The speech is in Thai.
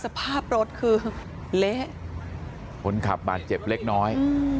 สภาพรถคือเละคนขับบาดเจ็บเล็กน้อย